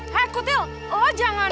hei kutil lo jangan